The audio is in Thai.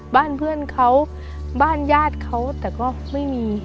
บ้านเพื่อนเขาบ้านญาติเขาแต่ก็ไม่มี